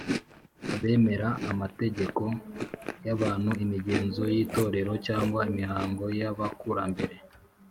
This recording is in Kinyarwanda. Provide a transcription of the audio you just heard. ” abemera amategeko y’abantu, imigenzo y’itorero, cyangwa imihango y’abakurambere